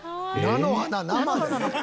「菜の花生で？」